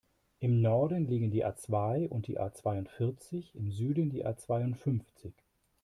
Im Norden liegen die A-zwei und die A-zweiundvierzig, im Süden die A-zweiundfünfzig.